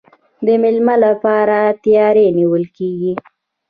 د میلمه لپاره تیاری نیول کیږي.